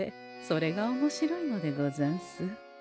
それがおもしろいのでござんす。